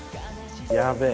やべえ。